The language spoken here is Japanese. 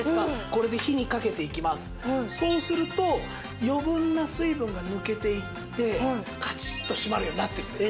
そうすると余分な水分が抜けていってカチッと閉まるようになってるんです。